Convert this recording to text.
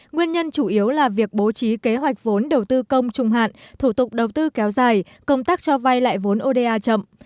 nguyên nhân chủ yếu là việc bố trí kế hoạch vốn đầu tư công trung hạn thủ tục đầu tư kéo dài công tác cho vay lại vốn oda chậm